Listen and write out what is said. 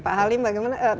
pak halim bagaimana